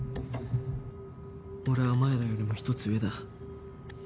俺はお前らよりも１つ上だ。